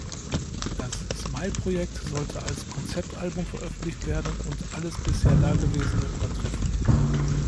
Das "Smile"-Projekt sollte als Konzeptalbum veröffentlicht werden und alles bisher Dagewesene übertreffen.